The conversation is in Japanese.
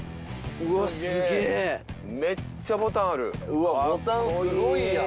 うわボタンすごいやん。